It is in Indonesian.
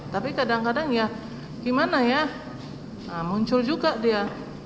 tapi kadang kadang ya gimana ya muncul juga dia